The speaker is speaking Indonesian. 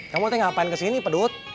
kamu teh ngapain kesini pedut